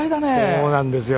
そうなんですよ。